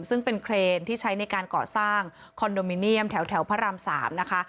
ซึ่งเป็นเครนที่ใช้ในการก่อสร้างคอนโดมิเนียมแถวพระราม๓นะคะ